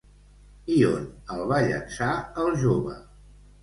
I on el va llançar el jove?